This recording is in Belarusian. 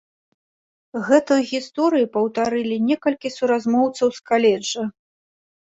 Гэтую гісторыю паўтарылі некалькі суразмоўцаў з каледжа.